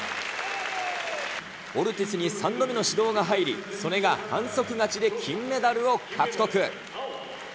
オルティスに３度目の指導が入り、素根が反則勝ちで金メダルを獲得。